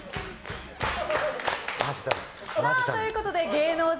芸能人